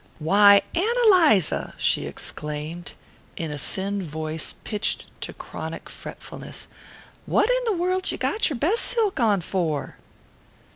"Why, Ann Eliza," she exclaimed, in a thin voice pitched to chronic fretfulness, "what in the world you got your best silk on for?"